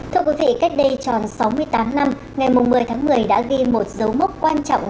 thưa quý vị cách đây tròn sáu mươi tám năm ngày một mươi tháng một mươi đã ghi một dấu mốc quan trọng